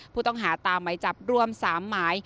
ผู้ต้องหาตามไหมจับรวม๓หมาย